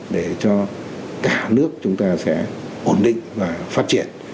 để cho cả nước chúng ta sẽ ổn định và phát triển